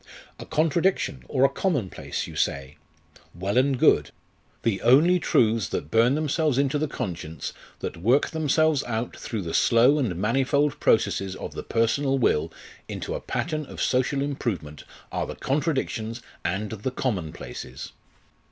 A contradiction, or a commonplace, you say? Well and good. The only truths that burn themselves into the conscience, that work themselves out through the slow and manifold processes of the personal will into a pattern of social improvement, are the contradictions and the commonplaces!"